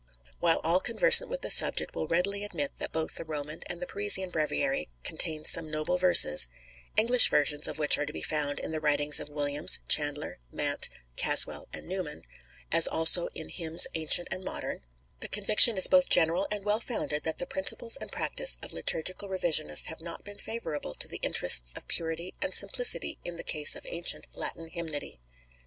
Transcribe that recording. While all conversant with the subject will readily admit that both the Roman and the Parisian Breviary contain some noble verses, English versions of which are to be found in the writings of Williams, Chandler, Mant, Caswall, and Newman, as also in "Hymns Ancient and Modern," the conviction is both general and well founded that the principles and practice of liturgical revisionists have not been favourable to the interests of purity and simplicity in the case of ancient Latin hymnody.